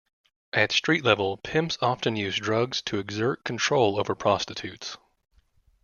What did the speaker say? At street level, pimps often use drugs to exert control over prostitutes.